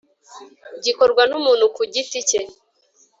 gikorwa n’umuntu ku giti ke